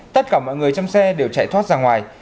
tất cả mọi người trong xe đều chạy thoát ra ngoài